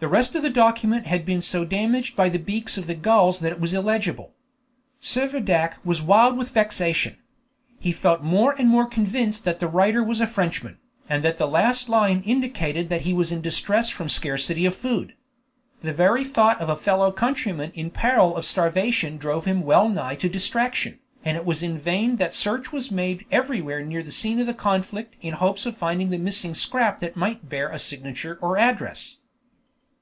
The rest of the document had been so damaged by the beaks of the gulls that it was illegible. Servadac was wild with vexation. He felt more and more convinced that the writer was a Frenchman, and that the last line indicated that he was in distress from scarcity of food. The very thought of a fellow countryman in peril of starvation drove him well nigh to distraction, and it was in vain that search was made everywhere near the scene of conflict in hopes of finding the missing scrap that might bear a signature or address.